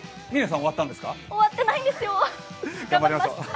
私は終わってないんですけど、頑張ります。